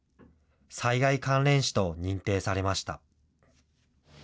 災害関連死と認定されました。